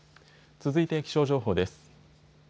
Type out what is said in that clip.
続いて気象情報です。